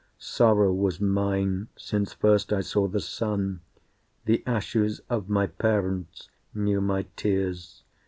Sorrow was mine since first I saw the sun, The ashes of my parents knew my tears.